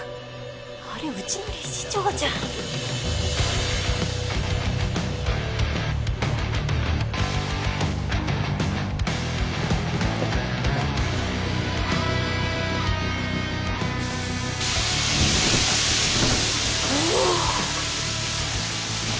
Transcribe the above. あれうちの理事長じゃんおお！